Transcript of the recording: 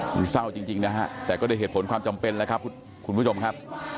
มันเศร้าจริงนะฮะแต่ก็ได้เหตุผลความจำเป็นแล้วครับคุณผู้ชมครับ